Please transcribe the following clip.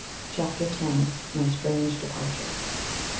CHAPTER X. MY STRANGE DEPARTURE.